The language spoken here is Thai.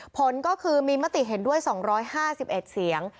ผลก็คือมีมติเห็นด้วย๒๕๑เสียง